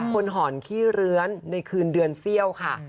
หอนขี้เลื้อนในคืนเดือนเซี่ยวค่ะ